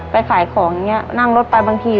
ไปขายของอย่างนี้นั่งรถไปบางที